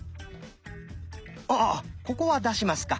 ああここは出しますか。